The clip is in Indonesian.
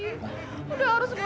udah harus urus tanah